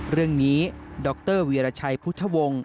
เรื่องนี้ดรวีรชัยพุทธวงศ์